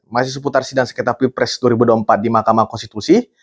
masih seputar sidang sekitar pprs dua ribu empat di mahkamah konstitusi